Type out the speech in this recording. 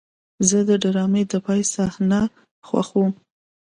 زه د ډرامې د پای صحنه خوښوم.